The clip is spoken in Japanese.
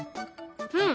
うん！